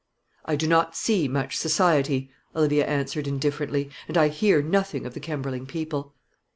"I do not see much society," Olivia answered indifferently, "and I hear nothing of the Kemberling people."